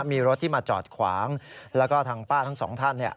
มีรถที่มาจอดขวางแล้วก็ทางป้าทั้งสองท่านเนี่ย